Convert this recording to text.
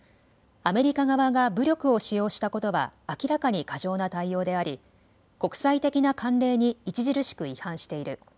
アメリカ側が武力を使用したことは明らかに過剰な対応であり国際的な慣例に著しく違反している。